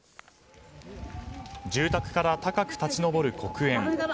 住宅から高く立ち上る黒煙。